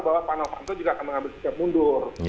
bahwa pak novanto juga akan mengambil sikap mundur